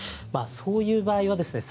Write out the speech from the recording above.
そういう場合はですね